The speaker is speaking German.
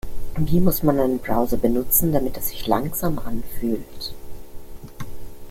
Wie muss man einen Browser benutzen, damit er sich langsam anfühlt?